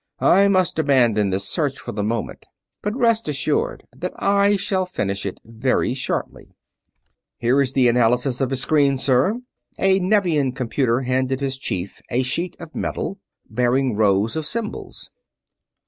I must abandon this search for the moment, but rest assured that I shall finish it very shortly." "Here is the analysis of his screen, sir." A Nevian computer handed his chief a sheet of metal, bearing rows of symbols.